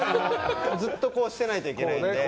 ずっとこうしてないといけないので。